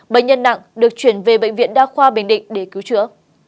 bệnh nhân nặng được chuyển về bệnh viện đa khoa bình định để cứu chữa